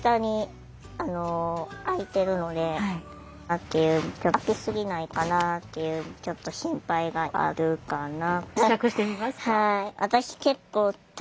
開き過ぎないかなっていうちょっと心配があるかな。